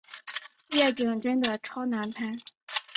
夜景真的超难拍